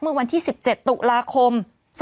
เมื่อวันที่๑๗ตุลาคม๒๕๖